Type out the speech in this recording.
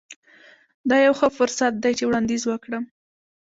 دا یو ښه فرصت دی چې یو وړاندیز وکړم